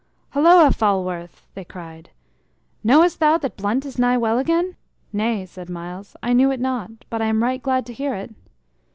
"Holloa, Falworth!" they cried. "Knowest thou that Blunt is nigh well again?" "Nay," said Myles, "I knew it not. But I am right glad to hear it."